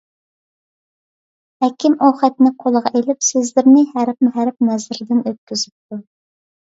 ھەكىم ئۇ خەتنى قولىغا ئېلىپ، سۆزلىرىنى ھەرپمۇ ھەرپ نەزىرىدىن ئۆتكۈزۈپتۇ.